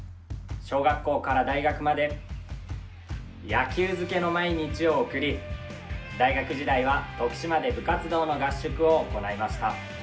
小学校から大学まで野球漬けの毎日を送り大学時代は徳島で部活動の合宿を行いました。